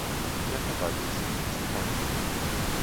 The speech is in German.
Der Verwaltungssitz ist Corning.